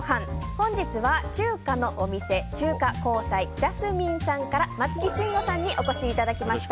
本日は中華のお店中華香彩ＪＡＳＭＩＮＥさんから松木真吾さんにお越しいただきました。